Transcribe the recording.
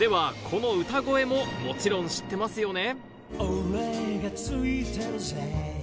この歌声ももちろん知ってますよね？